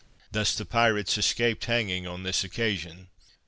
Thus the pirates escaped hanging on this occasion.